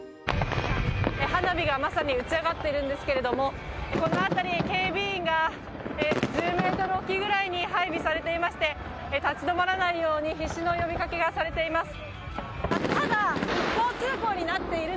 花火がまさに打ち上がっているんですがこの辺り警備員が１０ｍおきぐらいに配備されていまして立ち止まらないように必死の呼びかけがされています。